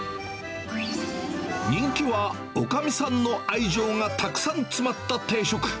人気はおかみさんの愛情がたくさん詰まった定食。